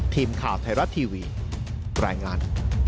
ทีมข่าวไทยรัตน์ทีวีแรงงาน